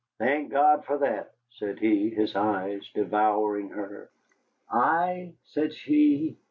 "Thank God for that," said he, his eyes devouring her. "Ay," said she.